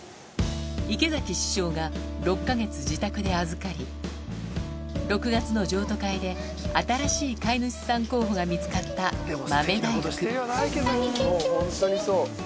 池崎師匠が６か月自宅で預かり６月の譲渡会で新しい飼い主さん候補が見つかった豆大福